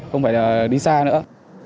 không phải là đi xa nữa